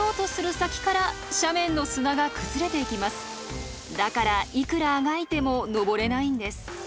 だからいくらあがいても登れないんです。